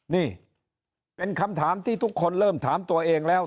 นี่เป็นคำถามที่ทุกคนเริ่มถามตัวเองแล้ว